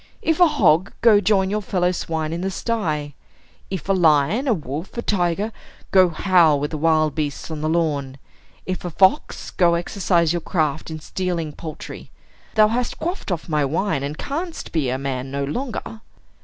If a hog, go join your fellow swine in the sty; if a lion, a wolf, a tiger, go howl with the wild beasts on the lawn; if a fox, go exercise your craft in stealing poultry. Thou hast quaffed off my wine, and canst be man no longer."